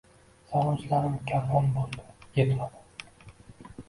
sogʼinchlarim karvon boʼldi, yetmadim